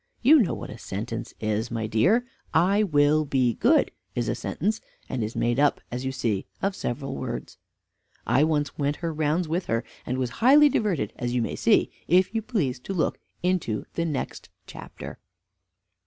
"You know what a sentence is, my dear. 'I will be good' is a sentence; and is made up, as you see, of several words." I once went her rounds with her, and was highly diverted, as you may see, if you please to look into the next chapter.